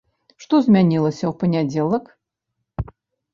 Што змянілася ў панядзелак?